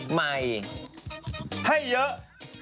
ให้เยอะ